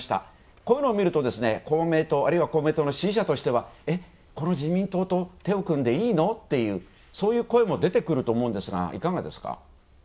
こういうのを見ると公明党の支持者は「え、この自民党と手を組んでいいの？」というそういう声も出てくると思うんですが、いかがですか？